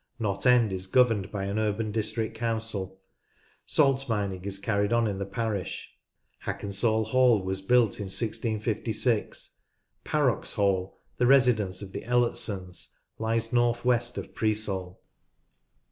Knott End is governed by an urban district council. Salt mining is carried on in the parish. Hackensall Hall was built in 1656. Parrox Hall, the residence of the Elletsons, lies north west of Preesall.